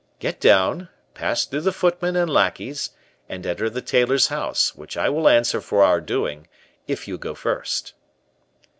"Get down, pass through the footmen and lackeys, and enter the tailor's house, which I will answer for our doing, if you go first."